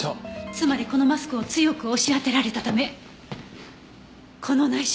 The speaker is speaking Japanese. つまりこのマスクを強く押し当てられたためこの内出血が出来た。